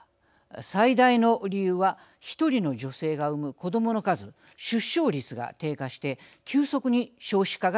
最大の理由は１人の女性が産む子どもの数出生率が低下して急速に少子化が進むためです。